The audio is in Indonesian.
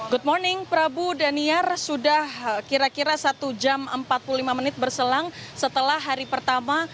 good morning prabu daniar sudah kira kira satu jam empat puluh lima menit berselang setelah hari pertama